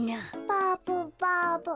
バブバブ。